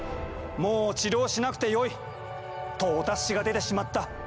もう治療しなくてよい！とお達しが出てしまった。